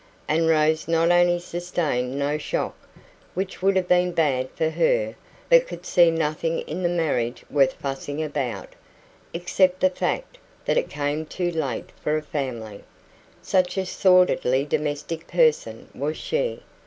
And Rose not only sustained no shock which would have been bad for her but could see nothing in the marriage worth fussing about, except the fact that it came too late for a family. Such a sordidly domestic person was she!